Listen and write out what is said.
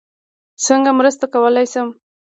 څنګه مرسته کوی شم؟